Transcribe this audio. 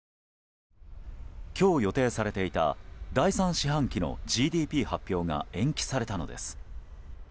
今日予定されていた第３四半期のＧＤＰ発表が延期されたのです。